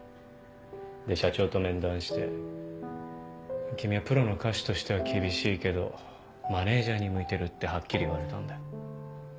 で社長と面談して「君はプロの歌手としては厳しいけどマネジャーに向いてる」ってはっきり言われたんだよ。